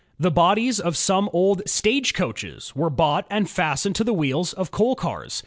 The bodies of some old stagecoaches were bought and fastened to the wheels of coal cars.